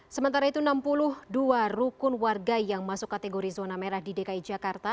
sementara itu enam puluh dua rukun warga yang masuk kategori zona merah di dki jakarta